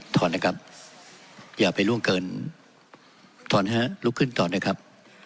ถอนนะครับอย่าไปล่วงเกินถอนฮะลุกขึ้นถอนนะครับ